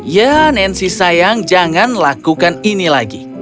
ya nancy sayang jangan lakukan ini lagi